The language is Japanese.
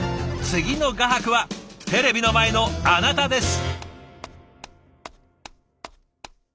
次の画伯はテレビの前のあなたです。